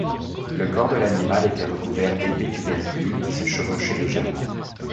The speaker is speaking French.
Le corps de l'animal était recouvert d'épais tubercules qui se chevauchaient légèrement.